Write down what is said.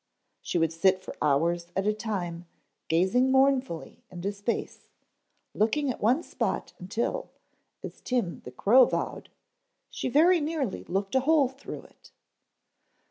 She would sit for hours at a time gazing mournfully into space, looking at one spot until, as Tim the crow vowed, she very nearly looked a hole through it.